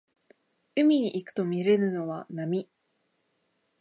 海に行くとみれるのは波